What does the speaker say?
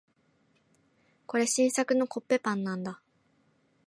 これ、新作のコッペパンなんだ。